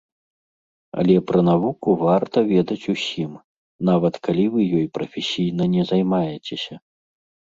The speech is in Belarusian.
Але пра навуку варта ведаць усім, нават калі вы ёй прафесійна не займаецеся.